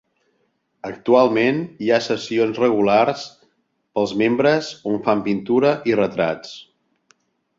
Actualment hi ha sessions regulars pels membres on fan pintura i retrats.